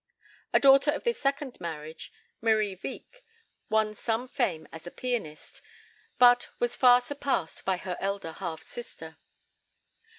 A daughter of this second marriage, Marie Wieck, won some fame as a pianist, but was far surpassed by her elder half sister.